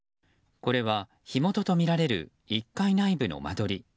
これは、火元とみられる１階内部の間取り。